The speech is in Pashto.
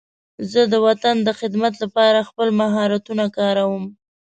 زه د وطن د خدمت لپاره خپل مهارتونه کاروم.